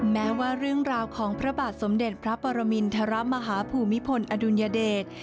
แม้ว่าเรื่องราวของพระบาทสมเด็จพระปรมินทรมาฮภูมิพลอดุลยเดช